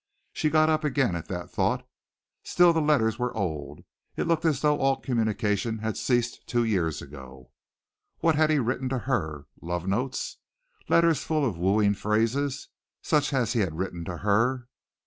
She got up again at that thought. Still the letters were old. It looked as though all communication had ceased two years ago. What had he written to her? love notes. Letters full of wooing phrases such as he had written to her.